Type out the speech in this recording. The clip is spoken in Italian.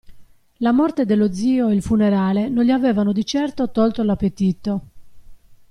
La morte dello zio e il funerale non gli avevano di certo tolto l'appetito.